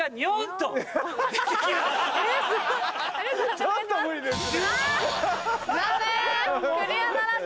ちょっと無理ですね。